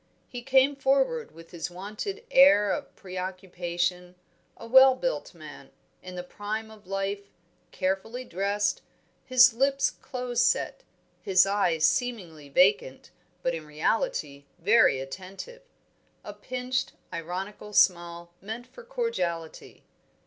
He came forward with his wonted air of preoccupation; a well built man, in the prime of life, carefully dressed, his lips close set, his eyes seemingly vacant, but in reality very attentive; a pinched ironical smile meant for cordiality.